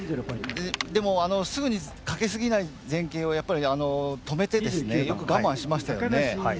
でも、すぐにかけすぎない前傾を止めて、よく我慢しましたよね。